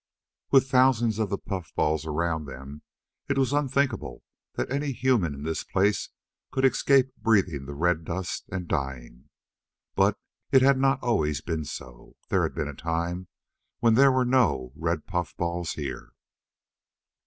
With thousands of the puffballs around them it was unthinkable that any human in this place could escape breathing the red dust and dying. But it had not always been so. There had been a time when there were no red puffballs here.